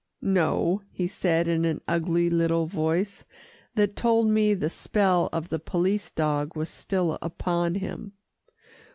"No," he said in an ugly little voice, that told me the spell of the police dog was still upon him.